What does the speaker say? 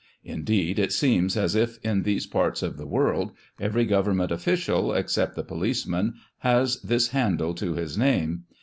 Indeed, it seems as if in these parts of the world every government official, except the policeman, lias this handle to his name.